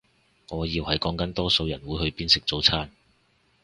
我以為係講緊多數人會去邊食早餐